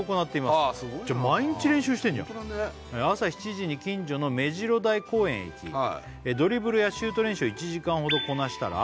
すごいなじゃあ毎日練習してるじゃんホントだね「朝７時に近所の目白台公園へ行き」「ドリブルやシュート練習を１時間ほどこなしたら」